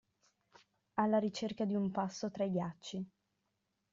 Alla ricerca di un passo tra i ghiacci.